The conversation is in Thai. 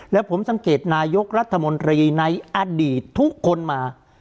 แล้วผมสังเกตนายกรัฐมนตรีในอดีตทุกคนมา